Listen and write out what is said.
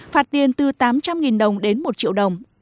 phạt tiền từ tám trăm linh đồng đến một triệu đồng